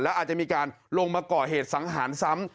แล้วอาจจะมีการลงมาก่อเหตุสังหารซ้ำ